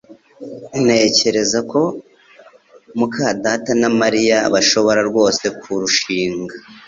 Ntekereza ko muka data na Mariya bashobora rwose kurushinga